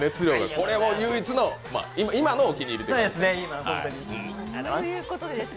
これも唯一の今のお気に入りということですね。